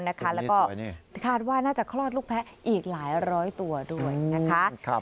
แล้วก็คาดว่าน่าจะคลอดลูกแพ้อีกหลายร้อยตัวด้วยนะคะ